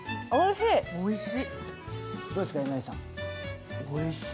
おいしい。